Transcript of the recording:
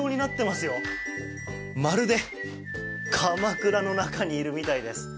まるでかまくらの中にいるみたいです。